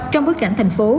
trong bức cảnh thành phố